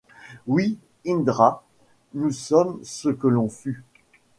Oui, Indra : nous sommes ce que l’on fut.